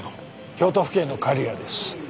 京都府警の狩矢です。